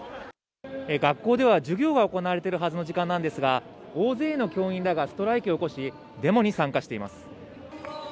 学校では授業が行われているはずの時間なんですが、大勢の教員らがストライキを起こし、デモに参加しています。